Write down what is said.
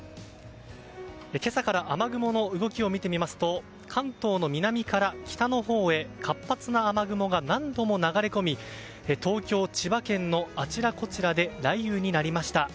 今朝から雨雲の動きを見てみますと関東の南から北のほうへ活発な雨雲が何度も流れ込み東京、千葉県のあちらこちらで雷雨になりました。